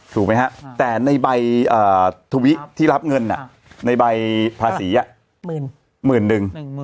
ถูกไหมฮะแต่ในใบทวิที่รับเงินในใบภาษีหมื่นหนึ่ง